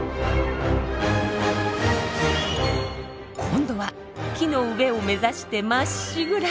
今度は木の上を目指してまっしぐら。